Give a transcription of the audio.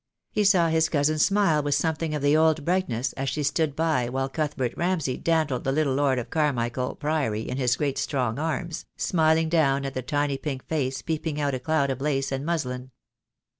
He saw his cousin smile with some thing of the old brightness as she stood by while Cuth bert Ramsay dandled the little lord of Carmichael Priory THE DAY WILL COME. IO3 in his great strong arms, smiling down at the tiny pink face peeping out a cloud of lace and muslin.